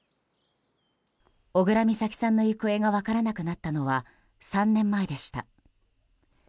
小倉美咲さんの行方が分からなくなったのは３年前でした。